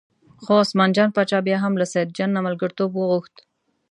خو عثمان جان باچا بیا هم له سیدجان نه ملګرتوب وغوښت.